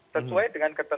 sesuai dengan ketentuan